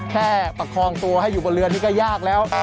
ประคองตัวให้อยู่บนเรือนี่ก็ยากแล้ว